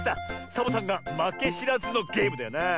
サボさんがまけしらずのゲームだよなあ。